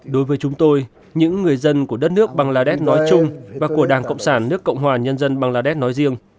đối với chúng tôi những người dân của đất nước bangladesh nói chung và của đảng cộng sản nước cộng hòa nhân dân bangladesh nói riêng